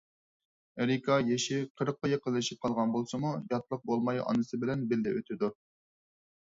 ئېرىكا يېشى قىرىققا يېقىنلىشىپ قالغان بولسىمۇ، ياتلىق بولماي ئانىسى بىلەن بىللە ئۆتىدۇ.